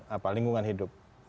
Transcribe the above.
apa lingkungan hidup